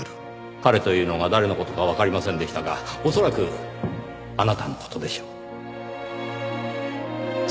彼というのが誰の事かわかりませんでしたが恐らくあなたの事でしょう。